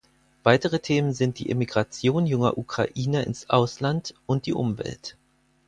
Weitere Themen sind die Emigration junger Ukrainer ins Ausland und die Umwelt.